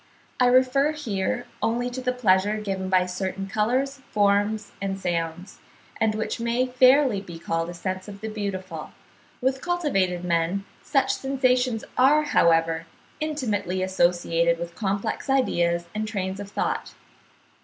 I refer here only to the pleasure given by certain colours, forms, and sounds, and which may fairly be called a sense of the beautiful; with cultivated men such sensations are, however, intimately associated with complex ideas and trains of thought.